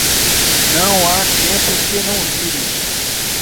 Não há tempo que não vire.